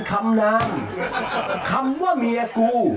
คำว่าเมียกู